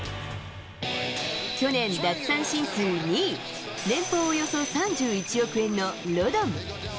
去年、奪三振数２位、年俸およそ３１億円のロドン。